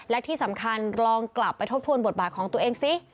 และที่สำคัญลองกลับไปทบทวนบทบาทของตัวเองซิ